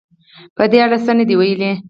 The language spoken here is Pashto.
په دې اړه څه نه دې ویلي